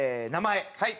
はい。